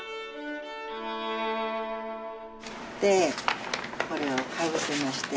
でこれをかぶせまして。